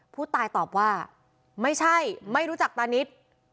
ผู้ตายตอบว่าไม่ใช่ไม่รู้จักตานิด